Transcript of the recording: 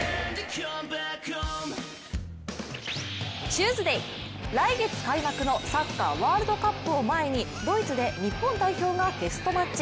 チューズデー、来月開幕のサッカーワールドカップを前にドイツで日本代表がテストマッチ。